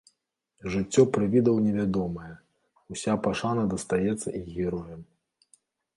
Жыццё прывідаў невядомае, уся пашана дастаецца іх героям.